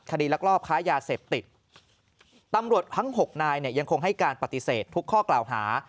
ลักลอบค้ายาเสพติดตำรวจทั้งหกนายเนี่ยยังคงให้การปฏิเสธทุกข้อกล่าวหา